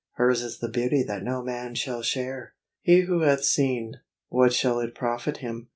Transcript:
Hers is the beauty that no man shall share. He who hath seen, what shall it profit him?